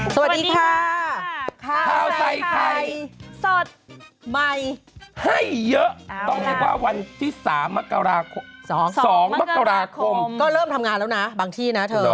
สวัสดีค่ะข้าวใส่ไข่สดใหม่ให้เยอะต้องเรียกว่าวันที่๓มกราคม๒มกราคมก็เริ่มทำงานแล้วนะบางที่นะเธอ